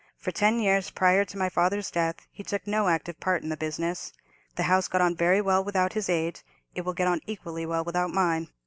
For ten years prior to my father's death he took no active part in the business. The house got on very well without his aid; it will get on equally well without mine.